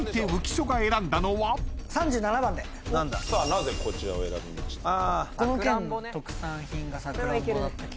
なぜこちらを選びましたか？